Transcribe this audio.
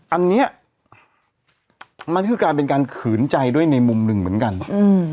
อันนี้มันคือการเป็นการขืนใจด้วยในมุมหนึ่งเหมือนกันอืม